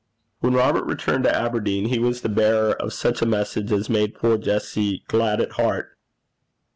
When Robert returned to Aberdeen he was the bearer of such a message as made poor Jessie glad at heart.